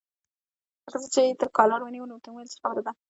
لکه زه چې یې تر کالر ونیولم، ورته مې وویل: څه خبره ده؟